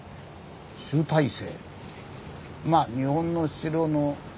集大成。